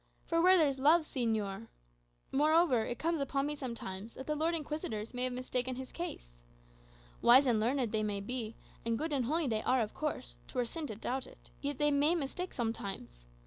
For where there's love, señor Moreover, it comes upon me sometimes that the Lords Inquisitors may have mistaken his case. Wise and learned they may be, and good and holy they are, of course 'twere sin to doubt it yet they may mistake sometimes.